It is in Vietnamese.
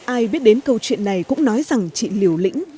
ai biết đến câu chuyện này cũng nói rằng chị liều lĩnh